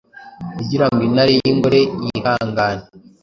Kugirango Intare y'ingore yihangane,